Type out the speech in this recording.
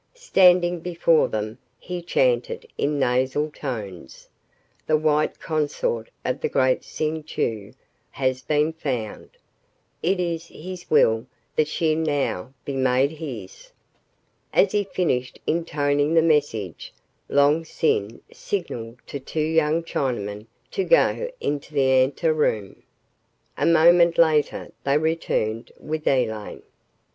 Standing before them, he chanted in nasal tones, "The white consort of the great Ksing Chau has been found. It is his will that she now be made his." As he finished intoning the message, Long Sin signaled to two young Chinamen to go into the anteroom. A moment later they returned with Elaine.